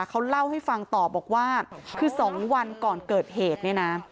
เขาเล่าให้ฟังต่อบอกว่าคือ๒วันก่อนเกิดเหตุเนี่ยนะ